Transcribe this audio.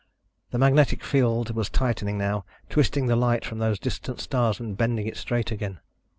The magnetic field was tightening now, twisting the light from those distant stars and bending it straight again.